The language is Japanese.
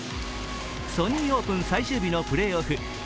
ソニーオープン最終日のプレーオフ。